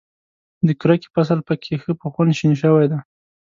د کرکې فصل په کې ښه په خوند شین شوی دی.